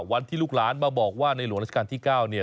ลูกหลานมาบอกว่าในหลวงราชการที่๙เนี่ย